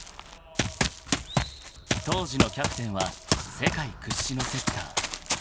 ［当時のキャプテンは世界屈指のセッター］